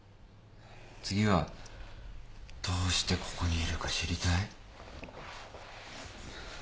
次はどうしてここにいるか知りたい？